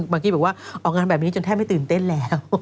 กี้บอกว่าออกงานแบบนี้จนแทบไม่ตื่นเต้นแล้ว